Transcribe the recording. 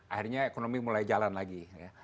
akhirnya ekonomi mulai jalan lagi